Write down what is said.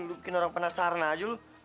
lu bikin orang penasaran aja lo